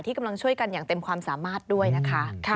กำลังช่วยกันอย่างเต็มความสามารถด้วยนะคะ